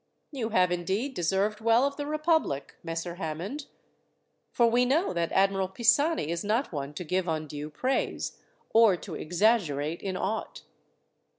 "You have indeed deserved well of the republic, Messer Hammond, for we know that Admiral Pisani is not one to give undue praise, or to exaggerate in aught.